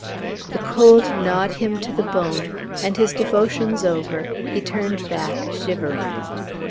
The cold gnawed him to the bone; and, his devotions over, he turned back shivering.